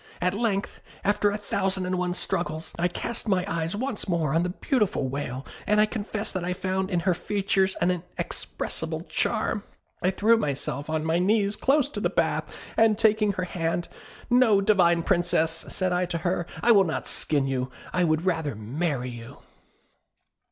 At length, after a thousand and one struggles, I cast my eyes once more on the beautiful Whale, and I confess that I found in her features an inexpressible charm. I threw myself on my knees close to the bath, and taking her hand, 'No, divine Princess,' said I to her; 'I will not skin you, I would rather marry you!'